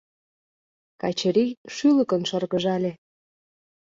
Качырий шӱлыкын шыргыжале.